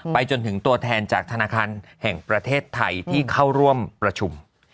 จนถึงตัวแทนจากธนาคารแห่งประเทศไทยที่เข้าร่วมประชุม